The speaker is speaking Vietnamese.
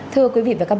thưa quý vị